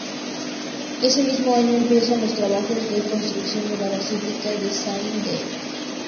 Ese mismo año empiezan los trabajos de construcción de la basílica de Saint-Denis.